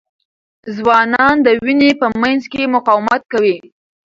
ځوانان د وینې په مینځ کې مقاومت کوي.